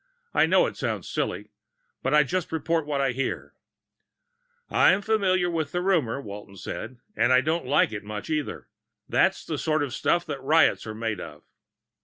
"I know it sounds silly, but I just report what I hear." "I'm familiar with the rumor," Walton said. "And I don't like it much, either. That's the sort of stuff riots are made of."